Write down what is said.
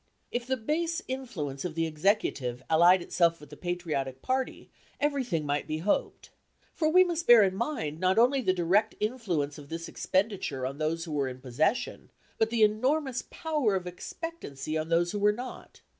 If the base influence of the Executive allied itself with the patriotic party, everything might be hoped. For we must bear in mind not only the direct influence of this expenditure on those who were in possession, but the enormous power of expectancy on those who were not.